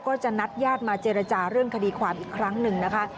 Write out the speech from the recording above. ก็จะนัดญาติมาเจรจาเรื่องคดีความอีกครั้งหนึ่งนะคะ